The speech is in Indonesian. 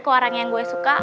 ke orang yang gue suka